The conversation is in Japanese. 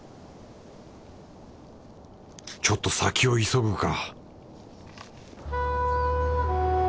ちょっと先を急ぐか